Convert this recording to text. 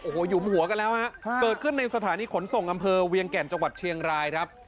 โอ้โหหยุมหัวกันแล้วฮะเกิดขึ้นในสถานีขนส่งอำเภอเวียงแก่นจังหวัดเชียงรายครับ